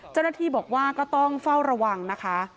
เจ้าหน้าที่บอกว่าก็ต้องเฝ้าระวังนะคะ